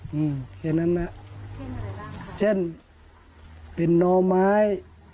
เห็นนั่นแหละเช่นเป็นนอไม้